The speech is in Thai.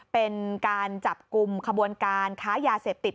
เป็นการจับกลุ่มขบวนการค้ายาเสพติด